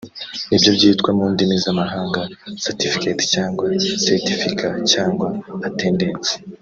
nibyo byitwa mu ndimi z’amahanga Certificat cyangwa A Certificate cyangwa Attendance